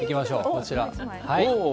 こちら。